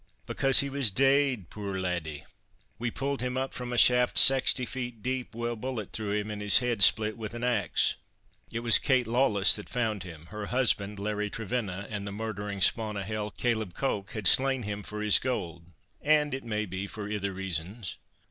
"Because he was deid, puir laddie! We pulled him up from a shaft saxty feet deep, wi' a bullet through him, and his head split with an axe. It was Kate Lawless that found him—her husband, Larry Trevenna and the murdering spawn o' hell, Caleb Coke, had slain him for his gold—and it may be for ither reasons."